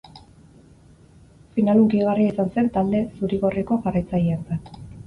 Final hunkigarria izan zen talde zurigorriko jarraitzaileentzat.